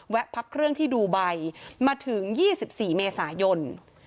แวะพับเครื่องที่ดูไบมาถึงยี่สิบสี่เมษายน